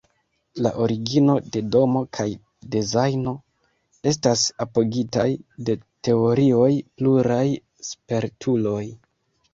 La origino de nomo kaj dezajno estas apogitaj de teorioj pluraj spertuloj.